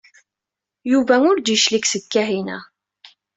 Yuba ur d-yeclig seg Kahina.